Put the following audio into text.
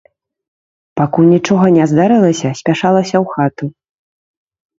Пакуль нічога не здарылася, спяшалася ў хату.